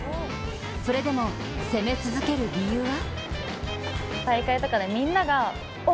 それでも攻め続ける理由は？